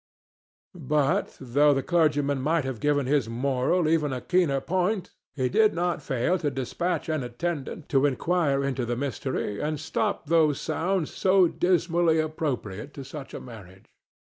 But, though the clergyman might have given his moral even a keener point, he did not fail to despatch an attendant to inquire into the mystery and stop those sounds so dismally appropriate to such a marriage.